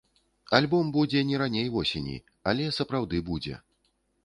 Альбом будзе не раней восені, але сапраўды будзе.